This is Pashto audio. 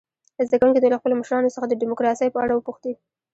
زده کوونکي دې له خپلو مشرانو څخه د ډموکراسۍ په اړه وپوښتي.